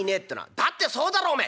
「だってそうだろうおめえ。